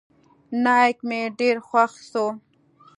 نايک مې ډېر خوښ سو.